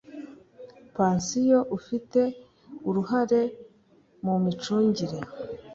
pansiyo ufite uruhare mu micungire